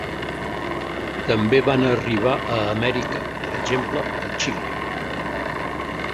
També van arribar a Amèrica, per exemple a Xile.